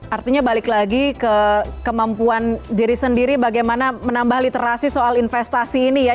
artinya balik lagi ke kemampuan diri sendiri bagaimana menambah literasi soal investasi ini ya